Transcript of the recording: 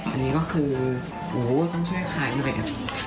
อันนี้ก็คือโอ้โหต้องช่วยให้คล้ายหน่อย